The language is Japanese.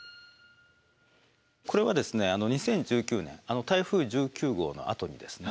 これはですね２０１９年台風１９号のあとにですね